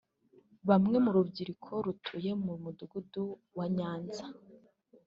Bamwe mu rubyiruko rutuye mu mudugudu wa Nyanza